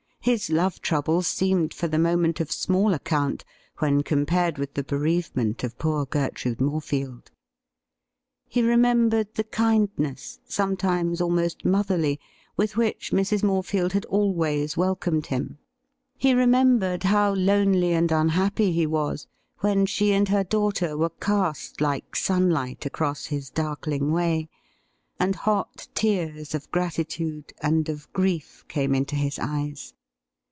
His love troubles seemed for the moment of small account when compared with the bereavement of poor Gertrude More field. He remembered the kindness, sometimes almost motherly, with which Mrs. Morefield had always welcomed him. He remembered how lonely and unhappy he was when she and her daughter were cast, like sunlight, across his darkling way, and hot tears of gratitude and of grief came into his eyes.